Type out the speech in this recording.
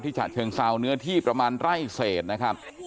ฉะเชิงเซาเนื้อที่ประมาณไร่เศษนะครับ